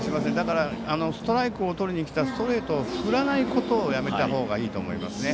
ストライクをとりにきたストレートを振らないことをやめたほうがいいですね。